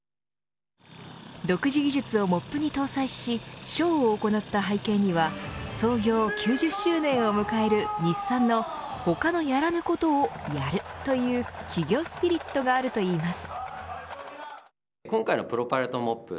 独自技術をモップに搭載しショーを行った背景には創業９０周年を迎える日産の他のやらぬことを、やるという企業スピリットがあるといいます。